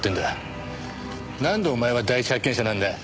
なんでお前は第一発見者なんだ？